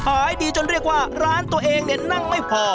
ขายดีจนเรียกว่าร้านตัวเองเนี่ยนั่งไม่พอ